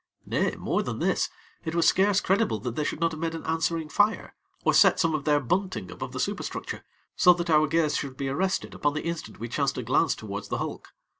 Nay! more than this, it was scarce credible that they should not have made an answering fire, or set some of their bunting above the superstructure, so that our gaze should be arrested upon the instant we chanced to glance towards the hulk.